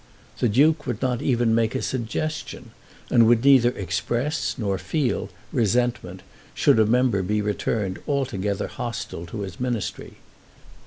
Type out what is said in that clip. The Duke would not even make a suggestion, and would neither express, nor feel, resentment should a member be returned altogether hostile to his Ministry.